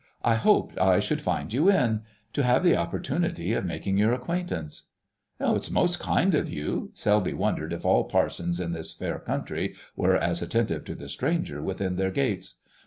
"I hoped I should find you in—to have the opportunity of making your acquaintance." "It was most kind of you." Selby wondered if all parsons in this fair country were as attentive to the stranger within their gates.